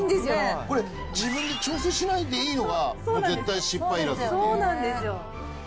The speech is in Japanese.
これ、自分で調整しないでいいのが、絶対失敗いらずっていう。